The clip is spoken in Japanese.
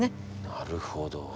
なるほど。